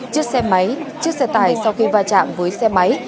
chiếc xe máy chiếc xe tải sau khi va chạm với xe máy